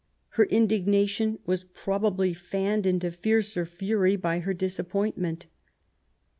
Her indignation was probably fanned into fiercer fury by her disappointment.